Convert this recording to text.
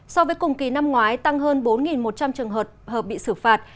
so với cùng kỳ năm ngoái tăng hơn bốn một trăm linh trường hợp bị xử phạt